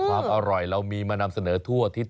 ความอร่อยเรามีมานำเสนอทั่วอาทิตย